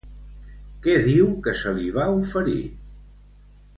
Què diu que se li va oferir?